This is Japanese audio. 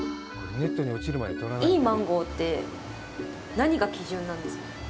いいマンゴーって、何が基準なんですか。